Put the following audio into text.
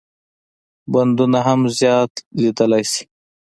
بندونه هم زیان لیدلای شي.